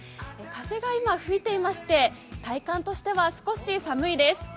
風が今、吹いていまして、体感としては少し寒いです。